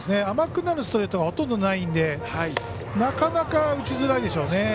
甘くなるストレートがほとんどないのでなかなか打ちづらいでしょうね。